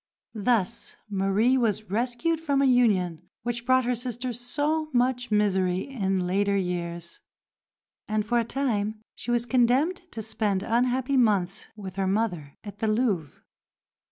Thus Marie was rescued from a union which brought her sister so much misery in later years, and for a time she was condemned to spend unhappy months with her mother at the Louvre.